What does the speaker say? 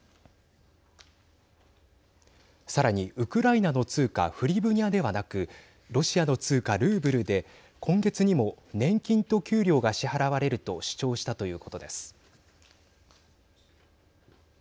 さらに、ウクライナの通貨フリブニャではなくロシアの通貨ルーブルで今月にも年金と給料が支払われると主張したということです。